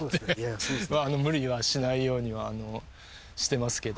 無理はしないようにはしてますけど。